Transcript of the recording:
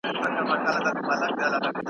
موږ غواړو چې په سوله کې ژوند وکړو.